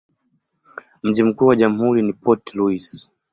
Mji mkuu wa jamhuri ni Port Louis.